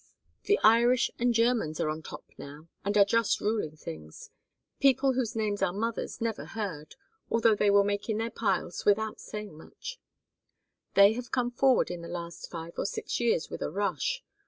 The Irish and Germans are on top now and are just ruling things people whose very names our mothers never heard, although they were making their piles without saying much about it. They have come forward in the last five or six years with a rush.